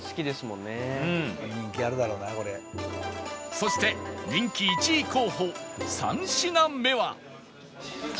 そして人気１位候補３品目は